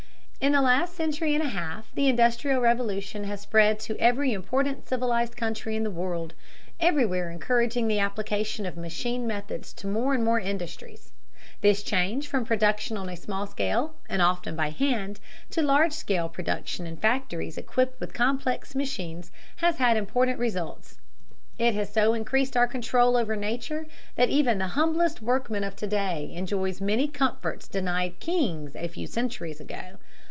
In the last century and a half the Industrial Revolution has spread to every important civilized country in the world, everywhere encouraging the application of machine methods to more and more industries. This change from production on a small scale, and often by hand, to large scale production in factories equipped with complex machines, has had important results. It has so increased our control over Nature that even the humblest workman of to day enjoys many comforts denied kings a few centuries ago.